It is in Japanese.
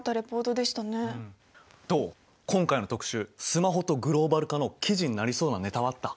「スマホとグローバル化」の記事になりそうなネタはあった？